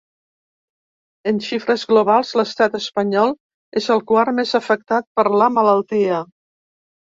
En xifres globals, l’estat espanyol és el quart més afectat per la malaltia.